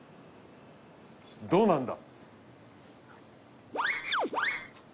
どうなんだ？